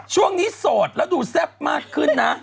ช่วงนี้โสดแล้วดูแซ่บมากขึ้นนะ